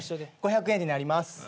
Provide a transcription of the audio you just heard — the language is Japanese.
５００円になります。